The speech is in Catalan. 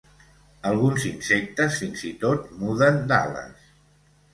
Alguns insectes fins i tot muden d'ales.